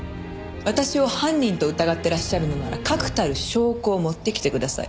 私を犯人と疑ってらっしゃるのなら確たる証拠を持ってきてください。